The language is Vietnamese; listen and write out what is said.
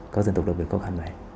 các dân tộc đồng biệt khó khăn này